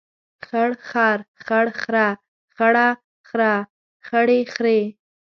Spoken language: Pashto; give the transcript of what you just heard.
خړ خر، خړ خره، خړه خره، خړې خرې.